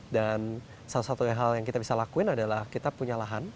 dan salah satu hal yang kita bisa lakuin adalah kita punya lahan